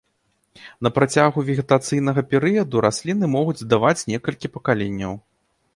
На працягу вегетацыйнага перыяду расліны могуць даваць некалькі пакаленняў.